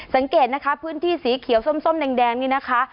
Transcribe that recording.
สังเกตนะคะพื้นที่สีเขียวส้มแดงนี่นะคะ